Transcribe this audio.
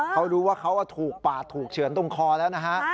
เขารู้ว่าเขาถูกปาดถูกเฉือนตรงคอแล้วนะฮะ